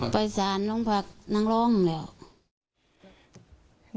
ไปสานลงพรรคนั้นร้องเลย